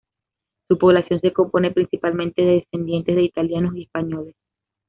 Su población se compone principalmente de descendientes de italianos y españoles.